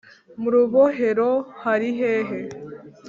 mu rubohero hari hehe?